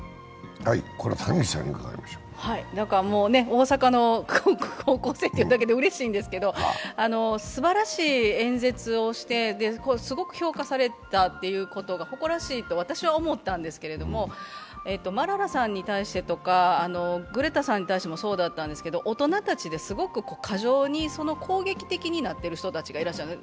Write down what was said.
大阪の高校生っていうだけでうれしいんですけれども、すばらしい演説をしてすごく評価されたということが誇らしいと私は思ったんですけど、マララさんに対してとかグレタさんに対してもそうだったんですけど大人たちですごく過剰に攻撃的になってる方がいらっしゃる。